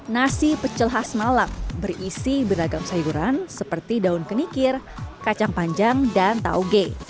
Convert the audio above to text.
nasi pecel khas malang berisi beragam sayuran seperti daun kenikir kacang panjang dan tauge